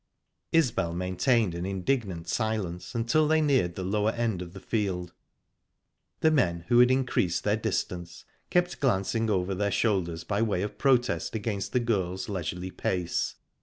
Isbel maintained an indignant silence until they neared the lower end of the field. The men, who had increased their distance, kept glancing over their shoulders by way of protest against the girls' leisurely pace.